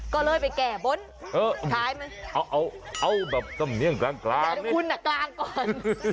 ก็เลยไปแก่บนเอาแบบกลางคุณกลางก่อน